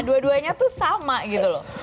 dua duanya tuh sama gitu loh